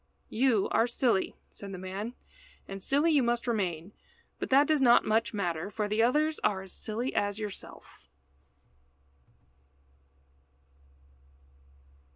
"You are silly," said the man, "and silly you must remain, but that does not much matter, for the others are as silly as yourself."